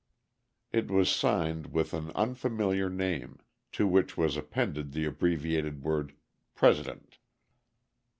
It was signed with an unfamiliar name, to which was appended the abbreviated word "Pres't."